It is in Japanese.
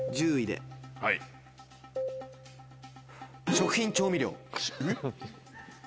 食品・調味料。